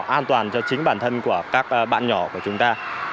an toàn cho chính bản thân của các bạn nhỏ của chúng ta